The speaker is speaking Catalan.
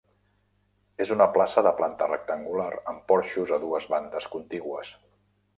És una plaça de planta rectangular amb porxos a dues bandes contigües.